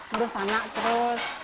terus anak terus